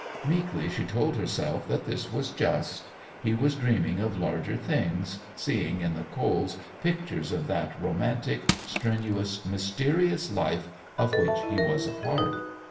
Meekly she told herself that this was just. He was dreaming of larger things, seeing in the coals pictures of that romantic, strenuous, mysterious life of which he was a part.